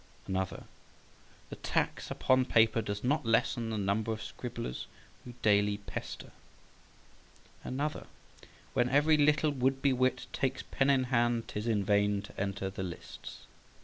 Another: "The tax upon paper does not lessen the number of scribblers who daily pester," &c. Another: "When every little would be wit takes pen in hand, 'tis in vain to enter the lists," &c.